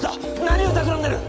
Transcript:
何をたくらんでる！